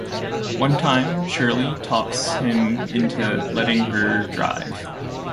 One time, Shirley talks him into letting her drive.